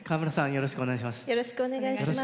よろしくお願いします。